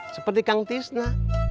seperti kang tisna